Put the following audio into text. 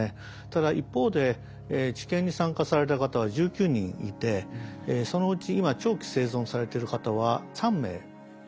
ただ一方で治験に参加された方は１９人いてそのうち今長期生存されてる方は３名しかいません。